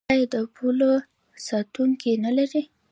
آیا دا پوله ساتونکي نلري؟